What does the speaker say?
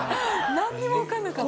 なんにもわかんなかった。